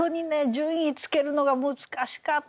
順位つけるのが難しかったですね。